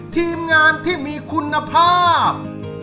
ทีมงานที่มีคุณภาพ